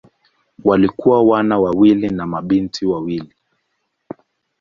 Walikuwa wana wawili na mabinti wawili.